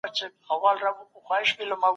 نور سيمينارونه هم سپارل سوي ول.